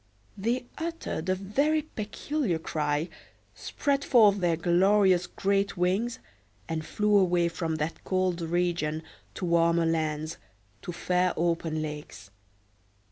They uttered a very peculiar cry, spread forth their glorious great wings, and flew away from that cold region to warmer lands, to fair open lakes.